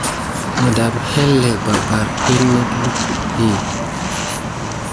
Məɗam héhélèk barbar té naku lukudi.